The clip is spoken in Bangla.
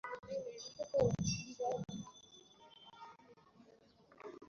কেবল জয়নুল আবেদিনের ব্রাশ ড্রয়িংগুলো মনে একটা দীর্ঘস্থায়ী ছাপ ফেলে যায়।